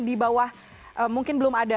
di bawah mungkin belum ada